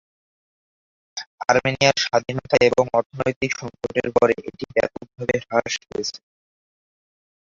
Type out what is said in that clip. আর্মেনিয়ার স্বাধীনতা এবং অর্থনৈতিক সংকটের পরে, এটি ব্যাপকভাবে হ্রাস পেয়েছে।